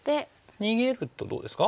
逃げるとどうですか？